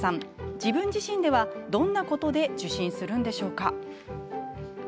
自分自身では、どんなことで受診するのでしょうか？